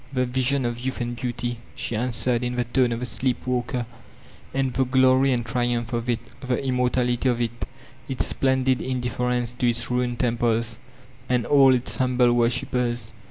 ''The vision of Youth and Beauty/' she answered in tiie tone of a sleep walker, "and the glory and triumph of it, — 4he immortality of it — ^its splendid indiflFerence to its ruined temples, and all its humble worshipers.